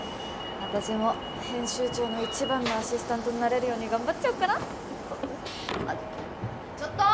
私も編集長の一番のアシスタントになれるように頑張っちゃおっかなあれっ？